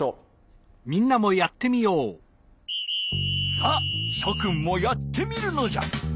さあしょくんもやってみるのじゃ！